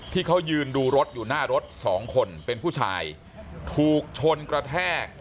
ที่เขายืนดูรถอยู่หน้ารถสองคนเป็นผู้ชายถูกชนกระแทก